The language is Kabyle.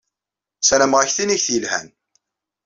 SsarameƔ-ak tinigt yelhan!